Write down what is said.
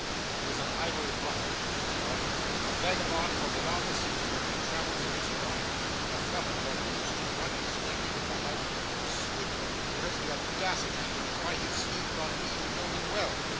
'He is an idle ruffian,' said Ralph; 'a vagabond from beyond the sea where he travelled for his crimes; a felon let loose to run his neck into the halter; a swindler, who has the audacity to try his schemes on me who know him well.